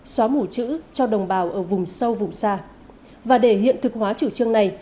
xóa mủ chữ cho đồng bào ở vùng sâu vùng xa và để hiện thực hóa chủ trương này